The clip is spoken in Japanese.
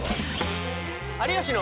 「有吉の」。